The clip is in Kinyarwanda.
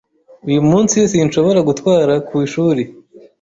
Uyu munsi sinshobora gutwara ku ishuri.